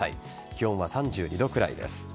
気温は３２度くらいです。